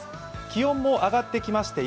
気温も上がってきまして